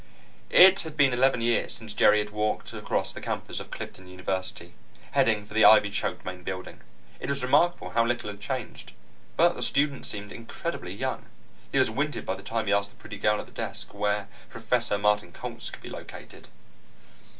It had been eleven years since Jerry had walked across the campus of Clifton University, heading for the ivy choked main building. It was remarkable how little had changed, but the students seemed incredibly young. He was winded by the time he asked the pretty girl at the desk where Professor Martin Coltz could be located.